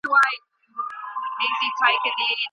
خصوصي پوهنتون په بیړه نه بشپړیږي.